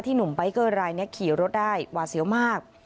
หนุ่มใบเกอร์รายนี้ขี่รถได้หวาเสียวมาก